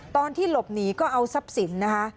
ตอนที่หลบหนีก็เอาทรัพย์สินนะคะ